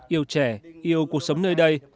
yêu trẻ yêu cuộc sống nơi đây